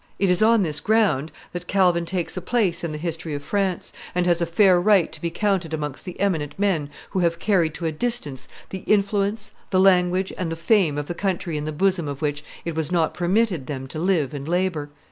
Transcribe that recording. It is on this ground that Calvin takes a place in the history of France, and has a fair right to be counted amongst the eminent men who have carried to a distance the influence, the language, and the fame of the country in the bosom of which it was not permitted them to live and labor.